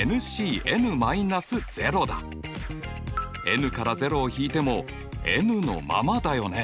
ｎから０を引いてもｎのままだよね。